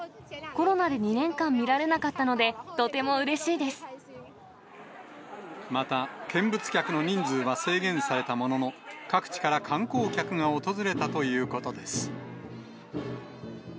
コロナで２年間見られなかったのまた、見物客の人数は制限されたものの、各地から観光客が訪れたということです。